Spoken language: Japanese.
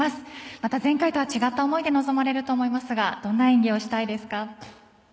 また前回とは違った思いで臨まれると思いますがどんな演技をしたいですか？